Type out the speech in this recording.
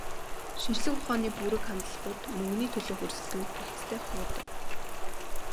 Шинжлэх ухааны бүрэг хандлагууд мөнгөний төлөөх өрсөлдөөнд ноцтой хохирдог.